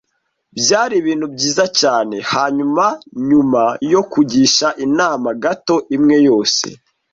Byari ibintu byiza cyane, hanyuma nyuma yo kugisha inama gato imwe yose